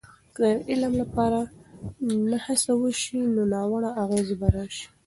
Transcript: که د علم لپاره نه هڅه وسي، نو ناوړه اغیزې به راسي.